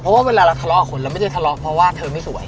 เพราะว่าเวลาเราทะเลาะกับคนเราไม่ได้ทะเลาะเพราะว่าเธอไม่สวย